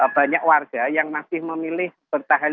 banyak warga yang masih memilih bertahan